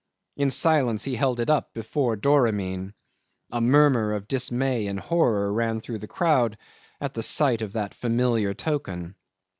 In silence he held it up before Doramin. A murmur of dismay and horror ran through the crowd at the sight of that familiar token.